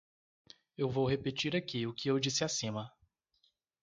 Eu vou repetir aqui o que eu disse acima.